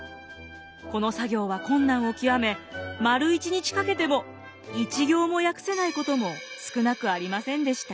この作業は困難を極め丸一日かけても１行も訳せないことも少なくありませんでした。